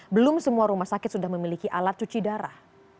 belum semua rumah sakit sudah memiliki alat cuci darah